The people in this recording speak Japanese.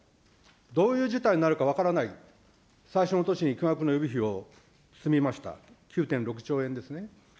どういう事態になるか分からない、最初の年に巨額の予備費を積み増した、９．６兆円ですね。